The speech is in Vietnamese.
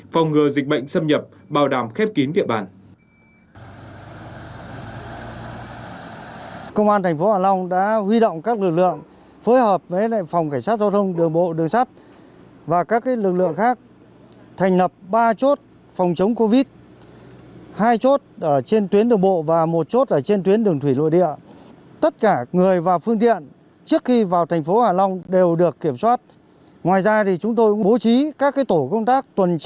phòng ngừa dịch bệnh xâm nhập bảo đảm khép kín địa bàn